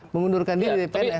mengundurkan diri di pns